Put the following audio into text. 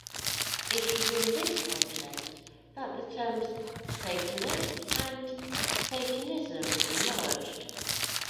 It was in this context that the terms "Satanist" and "Satanism" emerged.